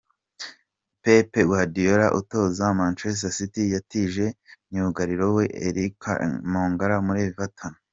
Pep Guardiola utoza Manchester City yatije myugariro we Eliaquim Mangala muri Everton.